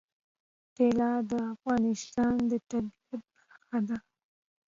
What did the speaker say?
طلا د افغانستان د طبیعت برخه ده.